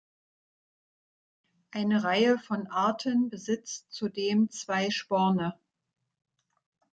Eine Reihe von Arten besitzt zudem zwei Sporne.